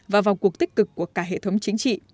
và vào cuộc tích cực của cả hệ thống chính trị